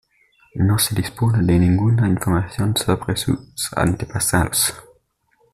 No se dispone de ninguna información sobre sus antepasados.